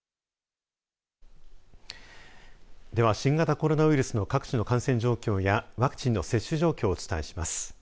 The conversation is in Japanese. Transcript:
では新型コロナウイルスの各地の感染状況やワクチンの接種状況をお伝えします。